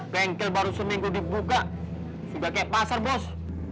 bengkel baru seminggu dibuka sudah kayak pasar bos